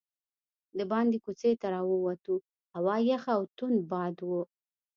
دباندې کوڅې ته راووتو، هوا یخه او توند باد و.